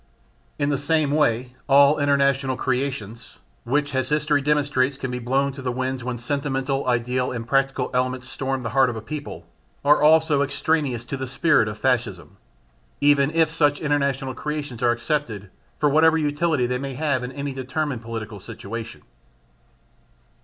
In the same way all international creations (which, as history demonstrates, can be blown to the winds when sentimental, ideal and practical elements storm the heart of a people) are also extraneous to the spirit of Fascism even if such international creations are accepted for whatever utility they may have in any determined political situation.